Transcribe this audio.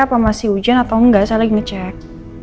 apa masih hujan atau enggak saya lagi ngecek